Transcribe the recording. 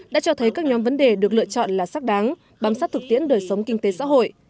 đã cho thấy các nhóm vấn đề được lựa chọn là sắc đáng bám sát thực tiễn đời sống kinh tế xã hội